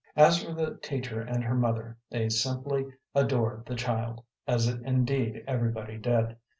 As for the teacher and her mother, they simply adored the child as indeed everybody did.